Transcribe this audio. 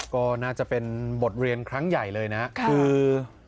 ก็น่าจะเป็นบทเรียนครั้งใหญ่เลยนะคือ